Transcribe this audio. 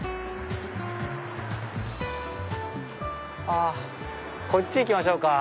あっこっち行きましょうか。